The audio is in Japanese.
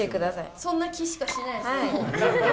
そんな気しかしないですね。